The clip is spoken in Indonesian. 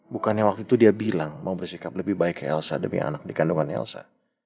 bukannya waktu itu dia bilang mau bersikap lebih baik ke elsa demi anak dikandungan elsa